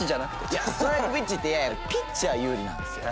いやストライクピッチってピッチャー有利なんですよ。